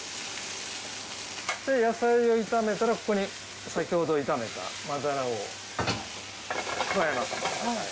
野菜を炒めたらここに先ほど炒めた真鱈を加えます。